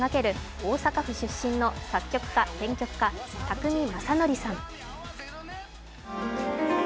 大阪府出身の作曲家・編曲家、宅見将典さん。